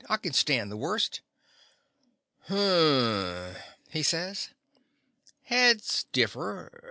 I can stand the worst." "Hum!" he says. "Heads differ.